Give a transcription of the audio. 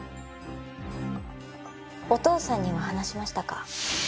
お父さんには話しましたか？